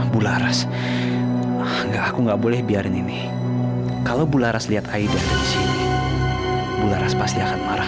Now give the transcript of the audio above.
bularas enggak aku nggak boleh biarin ini kalau bularas lihat aida disini pasti akan marah